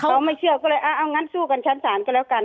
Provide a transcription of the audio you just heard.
เขาไม่เชื่อก็เลยเอางั้นสู้กันชั้นศาลก็แล้วกัน